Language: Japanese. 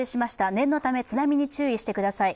念のため津波に注意してください。